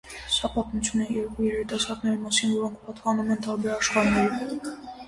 Սա պատմություն է երկու երիտասարդների մասին, որոնք պատկանում են տարբեր աշխարհների։